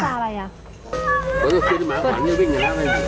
ภาพอะไรน่ะ